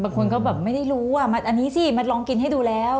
บางคนก็แบบไม่ได้รู้อ่ะอันนี้สิมาลองกินให้ดูแล้ว